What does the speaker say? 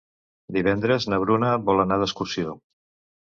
Divendres na Bruna vol anar d'excursió.